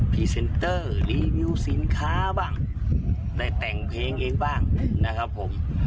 รีเซนเตอร์รีวิวสินค้าบ้างได้แต่งเพลงเองบ้างนะครับผม